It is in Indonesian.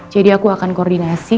jadi aku akan koordinasi